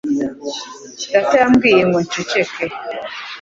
Data yambwiye ngo nceceke.